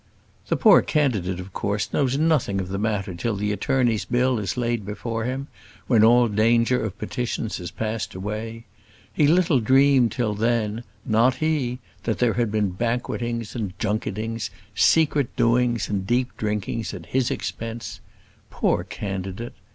The poor candidate of course knows nothing of the matter till the attorney's bill is laid before him, when all danger of petitions has passed away. He little dreamed till then, not he, that there had been banquetings and junketings, secret doings and deep drinkings at his expense. Poor candidate!